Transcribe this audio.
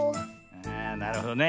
ああなるほどね。